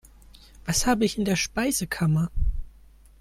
Was habe ich in der Speisekammer?